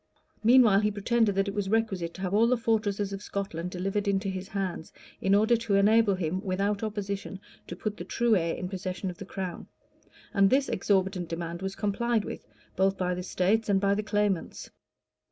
Meanwhile he pretended that it was requisite to have all the fortresses of Scotland delivered into his hands, in order to enable him, without opposition, to put the true heir in possession of the crown; and this exorbitant demand was complied with, both by the states and by the claimants.